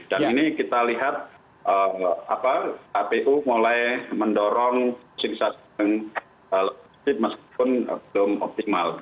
dan ini kita lihat kpu mulai mendorong sosialisasinya lebih sedikit meskipun belum optimal